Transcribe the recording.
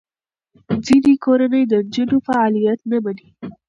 ځینې کورنۍ د نجونو فعالیت نه مني.